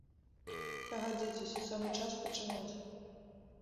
Пагадзіцеся, самы час пачынаць.